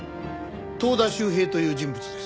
遠田秀平という人物です。